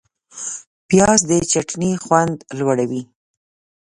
پیاز د چټني خوند لوړوي